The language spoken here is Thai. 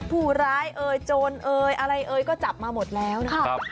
ผู้ร้ายเอ่ยโจรเอยอะไรเอ่ยก็จับมาหมดแล้วนะครับ